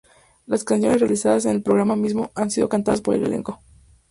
Las canciones realizadas en el programa mismo han sido cantadas por el elenco.